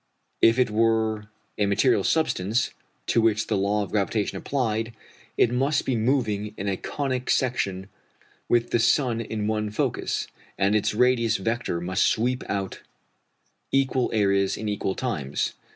If it were a material substance, to which the law of gravitation applied, it must be moving in a conic section with the sun in one focus, and its radius vector must sweep out equal areas in equal times.